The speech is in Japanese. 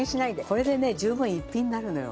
これでね十分一品になるのよ。